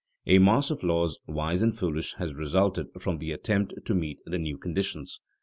A mass of laws wise and foolish has resulted from the attempt to meet the new conditions.